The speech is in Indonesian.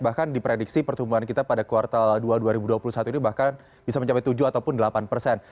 bahkan diprediksi pertumbuhan kita pada kuartal dua dua ribu dua puluh satu ini bahkan bisa mencapai tujuh ataupun delapan persen